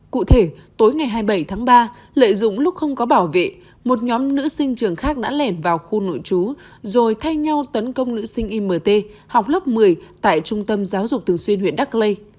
cụ thể tối ngày hai mươi bảy tháng ba lợi dụng lúc không có bảo vệ một nhóm nữ sinh trường khác đã lẻn vào khu nội trú rồi thay nhau tấn công nữ sinh imt học lớp một mươi tại trung tâm giáo dục thường xuyên huyện đắc lây